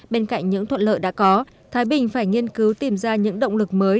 bên cạnh những thuận lợi đã có thái bình phải nghiên cứu tìm ra những động lực mới